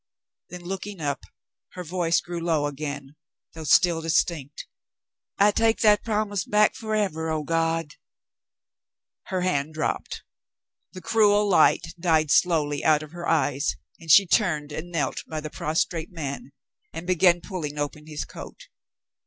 Then, looking up, her voice grew low again, though still distinct. "I take that promise back forever, oh, God !" Her hand dropped. The cruel light died slowly out of her eyes> and she turned and knelt by the prostrate man, and began pulling open his coat.